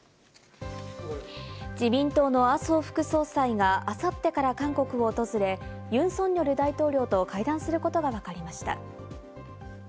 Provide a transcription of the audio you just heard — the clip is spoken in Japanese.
自民党の麻生副総裁が明後日から韓国を訪れ、ユン・ソンニョル大統領と会談することがわかりました。